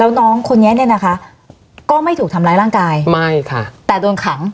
แล้วน้องคนนี้เนี่ยนะคะก็ไม่ถูกทำร้ายร่างกายไม่ค่ะแต่โดนขัง